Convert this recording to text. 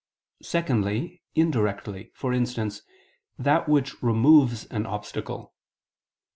Secondly, indirectly; for instance, that which removes an obstacle.